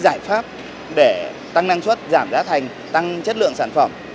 giải pháp để tăng năng suất giảm giá thành tăng chất lượng sản phẩm